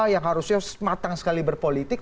yang harusnya matang sekali berpolitik